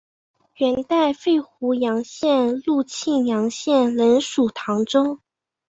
元代废湖阳县入泌阳县仍属唐州。